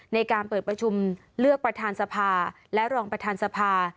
ในการเปิดประชุมเลือกประธานสภาและรองประธานสภา